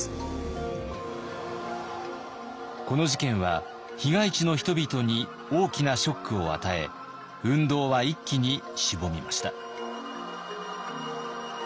この事件は被害地の人々に大きなショックを与え運動は一気にしぼみました。